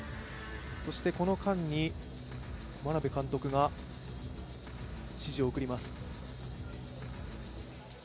そしてこの間に、眞鍋監督が指示を送ります。